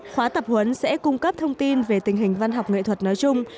khóa tập huấn sẽ cung cấp thông tin về tình hình văn học nghệ thuật nói chung